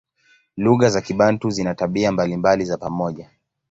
Lugha za Kibantu zina tabia mbalimbali za pamoja.